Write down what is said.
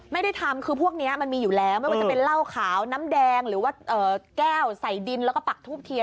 ไม่ได้ทำคือพวกนี้มันมีอยู่แล้วไม่ว่าจะเป็นเหล้าขาวน้ำแดงหรือว่าแก้วใส่ดินแล้วก็ปักทูบเทียน